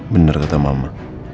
bener kata mama